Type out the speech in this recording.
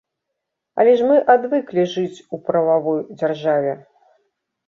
Але ж мы адвыклі жыць у прававой дзяржаве.